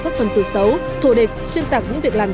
các phần từ xấu thù địch xuyên tạc những việc làm